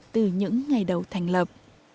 từ những ngày đầu thành lập